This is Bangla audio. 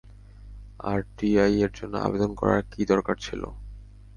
আরটিআই-এর জন্য আবেদন করার কী দরকার ছিল?